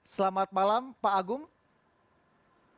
selamat malam pak agung